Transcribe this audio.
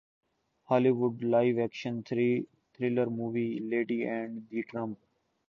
ہالی would live action thriller movie lady and the Trump